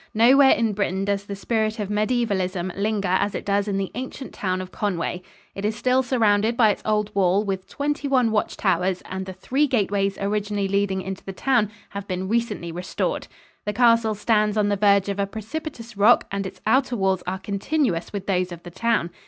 Nowhere in Britain does the spirit of mediaevalism linger as it does in the ancient town of Conway. It is still surrounded by its old wall with twenty one watch towers and the three gateways originally leading into the town have been recently restored. The castle stands on the verge of a precipitous rock and its outer walls are continuous with those of the town.